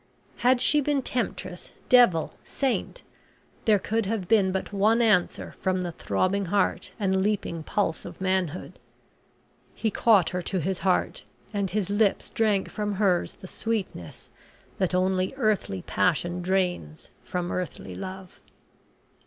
Had she been temptress, devil, saint, there could have been but one answer from the throbbing heart and leaping pulse of manhood. He caught her to his heart, and his lips drank from hers the sweetness that only earthly passion drains from earthly love.